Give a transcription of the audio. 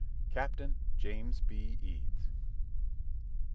CAPTAIN JAMES B. EADS.